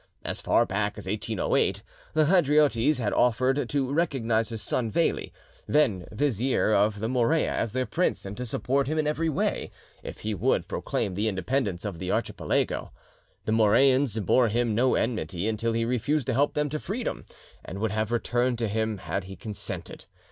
As far back as 1808, the Hydriotes had offered to recognise his son Veli, then Vizier of the Morea, as their Prince, and to support him in every way, if he would proclaim the independence of the Archipelago. The Moreans bore him no enmity until he refused to help them to freedom, and would have returned to him had he consented.